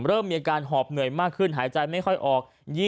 เริ่มมีอาการหอบเหนื่อยมากขึ้นหายใจไม่ค่อยออก